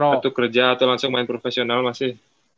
tentu kerja atau langsung main profesional masih